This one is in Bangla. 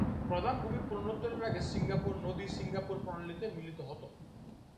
প্রধান ভূমি পুনরুদ্ধারের আগে সিঙ্গাপুর নদী সিঙ্গাপুর প্রণালীতে মিলিত হতো।